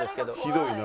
ひどいな。